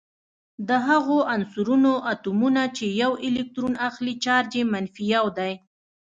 د هغو عنصرونو اتومونه چې یو الکترون اخلي چارج یې منفي یو دی.